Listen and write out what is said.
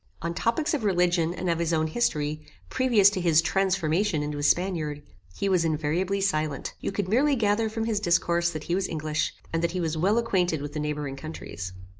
On topics of religion and of his own history, previous to his TRANSFORMATION into a Spaniard, he was invariably silent. You could merely gather from his discourse that he was English, and that he was well acquainted with the neighbouring countries.